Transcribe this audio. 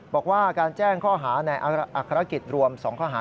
บอกว่าการแจ้งข้อหาในอักษรกิจรวม๒ข้อหา